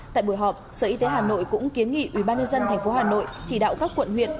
tại buổi họp sở y tế hà nội cũng kiến nghị ủy ban nhân dân tp hà nội chỉ đạo các quận huyện